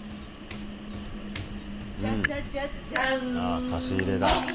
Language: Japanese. あ差し入れだ。